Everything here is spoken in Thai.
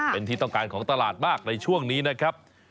เป็นที่ต้องการของตลาดมากในช่วงนี้นะครับ